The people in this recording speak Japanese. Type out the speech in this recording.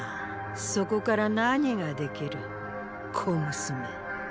そこから何ができる小娘。